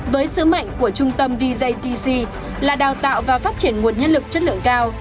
với sứ mệnh của trung tâm vjtc là đào tạo và phát triển nguồn nhân lực chất lượng cao